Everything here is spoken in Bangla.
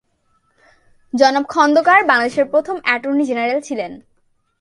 জনাব খন্দকার বাংলাদেশের প্রথম এটর্নি জেনারেল ছিলেন।